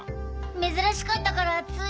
珍しかったからつい。